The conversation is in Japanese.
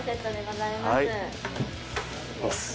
はい。